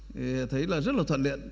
thì thấy là rất là thuận liện